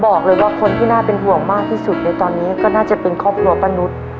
บอกเลยว่าคนที่น่าเป็นห่วงมากที่สุดในตอนนี้ก็น่าจะเป็นครอบครัวป้านุษย์